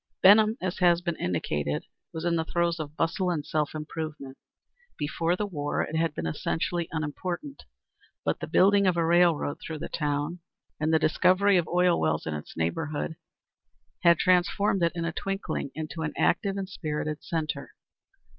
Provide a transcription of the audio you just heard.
Benham, as has been indicated, was in the throes of bustle and self improvement. Before the war it had been essentially unimportant. But the building of a railroad through the town and the discovery of oil wells in its neighborhood had transformed it in a twinkling into an active and spirited centre.